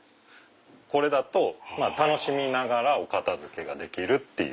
これだと楽しみながらお片付けができるっていう。